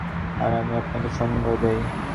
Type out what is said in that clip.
আর আমি আপনাকে সঙ্গ দেই।